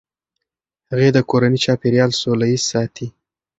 هغې د کورني چاپیریال سوله ایز ساتي.